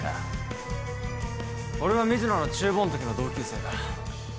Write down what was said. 俺は水野の中坊んときの同級生だ。